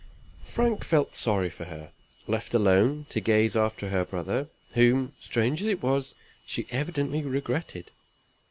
Frank felt sorry for her, left alone to gaze after her brother, whom, strange as it was, she evidently regretted.